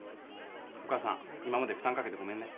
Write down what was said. お母さん今まで負担かけてごめんね。